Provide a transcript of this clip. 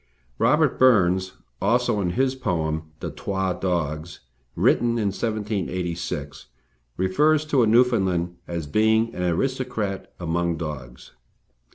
Robert Burns, also, in his poem, "The Twa Dogs," written in 1786, refers to a Newfoundland as being an aristocrat among dogs.